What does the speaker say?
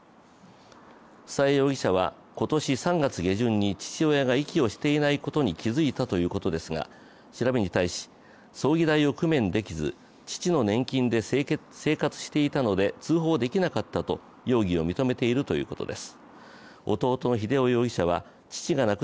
富佐江容疑者は今年３月下旬に父親が息をしていないことに気づいたということですが調べに対し、葬儀代を工面できず父の年金で生活していたので通報できなかったと容疑を認めているということです。